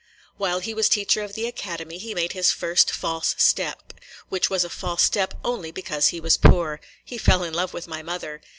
While he was teacher of the Academy he made his first false step, which was a false step only because he was poor, – he fell in love with my mother.